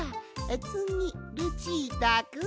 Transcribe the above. つぎルチータくん！